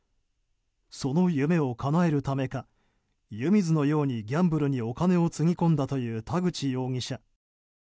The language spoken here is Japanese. その夢をかなえるためか湯水のようにギャンブルにお金をつぎ込んだという田口容疑者。